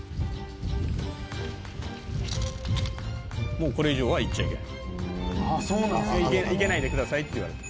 「もうこれ以上は行っちゃいけない」「行かないでくださいって言われて」